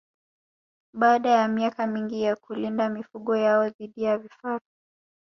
Baada ya miaka mingi ya kulinda mifugo yao dhidi ya vifaru